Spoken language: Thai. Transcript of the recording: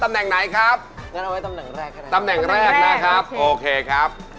อันท้ายนะครับ